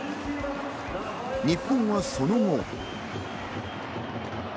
日本はその後。